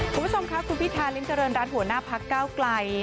คุณผู้ชมครับคุณพี่ทานลิ้มเจริญร้านหัวหน้าพักก้าวไกล